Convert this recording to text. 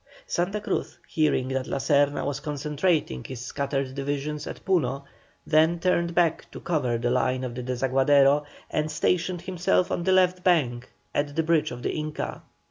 Santa Cruz, hearing that La Serna was concentrating his scattered divisions at Puno, then turned back to cover the line of the Desaguadero, and stationed himself on the left bank at the bridge of the Inca.